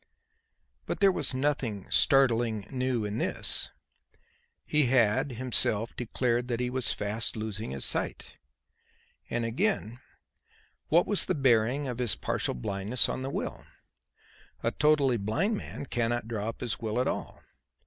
But there was nothing startling new in this. He had, himself, declared that he was fast losing his sight. And again, what was the bearing of his partial blindness on the will? A totally blind man cannot draw up his will at all.